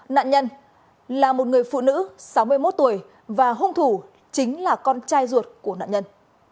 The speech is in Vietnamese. nạn nhân là một người phụ nữ sáu mươi một tuổi và hung thủ chính là con trai ruột của nạn nhân